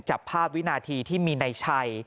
จับภาพวินาทีที่มีในชัย